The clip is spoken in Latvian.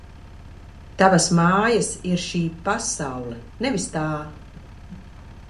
Tavas mājas ir šī pasaule, nevis tā!